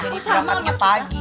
jadi perangkatnya pagi